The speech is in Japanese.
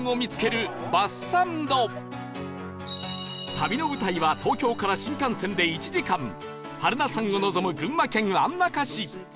旅の舞台は東京から新幹線で１時間榛名山を望む群馬県安中市